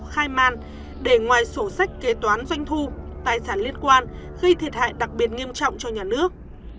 khai man để ngoài sổ sách kế toán doanh thu tài sản liên quan gây thiệt hại đặc biệt nghiêm trọng cho nhà nước